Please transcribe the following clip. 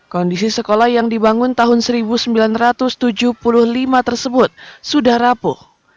kondisi sekolah yang dibangun tahun seribu sembilan ratus tujuh puluh lima tersebut sudah rapuh